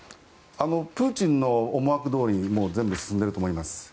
プーチンの思惑どおりにもう全部進んでいると思います。